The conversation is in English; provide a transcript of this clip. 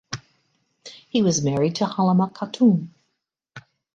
He was married to Halima Khatun.